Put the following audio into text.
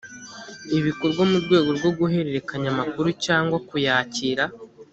bikorwa mu rwego rwo guhererekanya amakuru cyangwa kuyakira